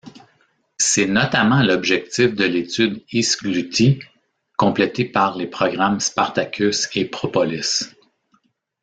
C’était notamment l’objectif de l’étude Isgluti, complétée par les programmes Spartacus et Propolis.